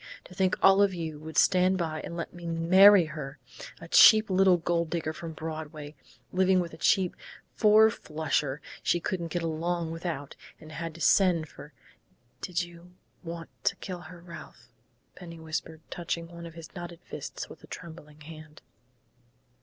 To think all of you would stand by and let me marry her a cheap little gold digger from Broadway, living with a cheap four flusher she couldn't get along without and had to send for " "Did you want to kill her, Ralph?" Penny whispered, touching one of his knotted fists with a trembling hand.